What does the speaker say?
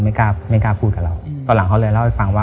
ไม่กล้าพูดกับเราตอนหลังเขาเลยเล่าให้ฟังว่า